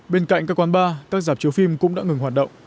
bên cạnh các quán bar các dạp chiếu phim cũng đã ngừng hoạt động